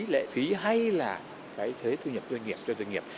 lệ phí hay là cái thuế thu nhập doanh nghiệp cho doanh nghiệp